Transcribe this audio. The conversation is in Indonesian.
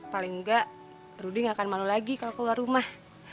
paling enggak rudy gak akan malu lagi kalau keluar rumah